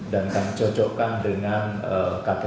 dan kami cocokkan untuk membuatnya